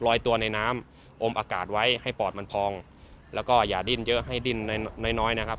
ลอยตัวในน้ำอมอากาศไว้ให้ปอดมันพองแล้วก็อย่าดิ้นเยอะให้ดิ้นน้อยน้อยนะครับ